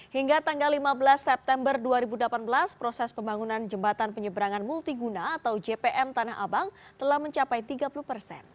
hingga tanggal lima belas september dua ribu delapan belas proses pembangunan jembatan penyeberangan multiguna atau jpm tanah abang telah mencapai tiga puluh persen